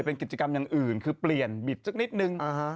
เป็นกิจกรรมอย่างอื่นคือเปลี่ยนบิดสักนิดนึง